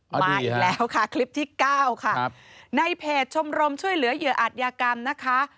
มาอีกแล้วค่ะคลิปที่เก้าค่ะครับในเพจชมรมช่วยเหลือเหยื่ออาจยากรรมนะคะ